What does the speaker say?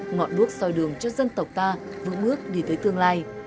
ngọn bước soi đường cho dân tộc ta vững ước đi tới tương lai